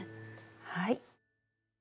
はい。